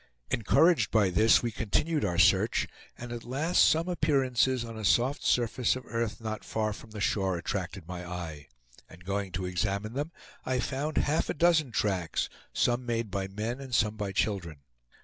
Encouraged by this we continued our search, and at last some appearances on a soft surface of earth not far from the shore attracted my eye; and going to examine them I found half a dozen tracks, some made by men and some by children.